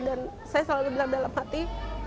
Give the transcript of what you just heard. dan saya selalu bilang dalam hati